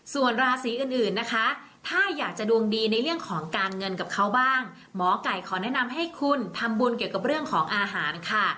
ส่วนราศีอื่นนะคะถ้าอยากจะดวงดีในเรื่องของการเงินกับเขาบ้างหมอไก่ขอแนะนำให้คุณทำบุญเกี่ยวกับเรื่องของอาหารค่ะ